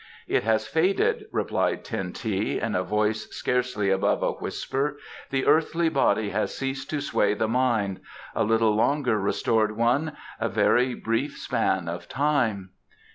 "It has faded," replied Ten teh, in a voice scarcely above a whisper, "the earthly body has ceased to sway the mind. A little longer, restored one; a very brief span of time."